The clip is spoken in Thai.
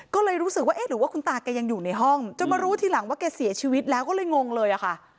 ก็เลยรู้สึกว่าเอ๊ะหรือว่าคุณตาแกยังอยู่ในห้องจนมารู้ทีหลังว่าแกเสียชีวิตแล้วก็เลยงงเลยอะค่ะ